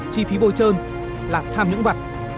chi phí bồi trơn là tham những vật